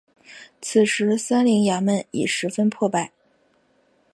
此时三陵衙门已十分破败。